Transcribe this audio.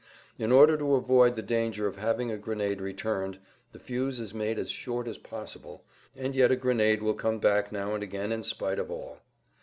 In order to avoid the danger of having a grenade returned the fuse is made as short as possible, and yet a grenade will come back now and again in spite of all.